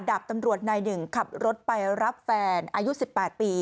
ดาบตำรวจนายหนึ่งขับรถไปรับแฟนอายุ๑๘ปี